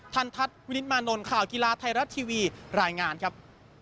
ทันทัศน์วินิตมานนท์ข่าวกีฬาไทยรัฐทีวีรายงานครับ